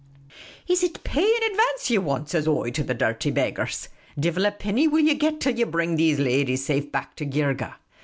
"' Is it pay in advance ye want ?' says I to the dirty beggars :' divvil a penny will ye get till ye bring these ladies safe back to Geergeh.